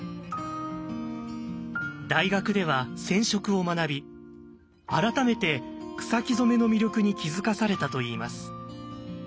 大学では染色を学び改めて草木染めの魅力に気付かされたと言います。